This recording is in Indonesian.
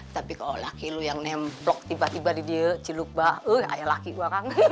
tapi kalau laki lo yang nembrok tiba tiba di dia ciluk bau kayak laki gue kan